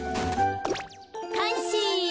かんせい！